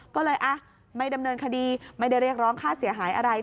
ก็เลยไม่ดำเนินคดีไม่ได้เรียกร้องค่าเสียหายอะไร